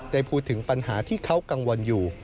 ได้พูดถึงปัญหาที่เขากังวลอยู่